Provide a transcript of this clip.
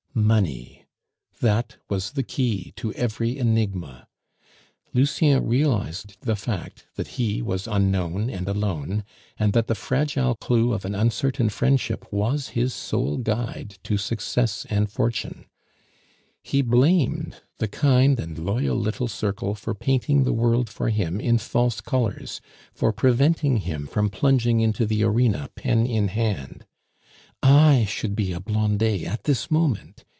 Money! That was the key to every enigma. Lucien realized the fact that he was unknown and alone, and that the fragile clue of an uncertain friendship was his sole guide to success and fortune. He blamed the kind and loyal little circle for painting the world for him in false colors, for preventing him from plunging into the arena, pen in hand. "I should be a Blondet at this moment!"